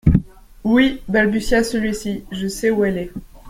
Oui, balbutia celui-ci, je sais où elle est.